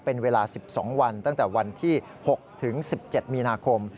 เป็นเวลา๑๒วันตั้งแต่วันที่๖ถึง๑๗มีนาคม